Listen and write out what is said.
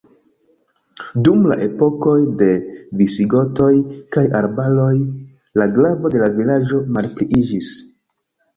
Dum la epokoj de visigotoj kaj araboj, la gravo de la vilaĝo malpliiĝis.